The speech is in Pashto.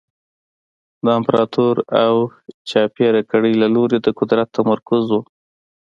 د امپراتور او چاپېره کړۍ له لوري د قدرت تمرکز و